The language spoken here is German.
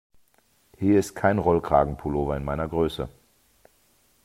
Hier ist kein Rollkragenpullover in meiner Größe.